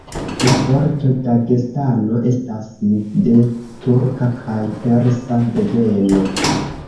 La vorto Dagestano estas de turka kaj persa deveno.